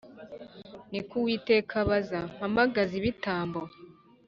Ni ko Uwiteka abaza“Mpamagaze ibitambo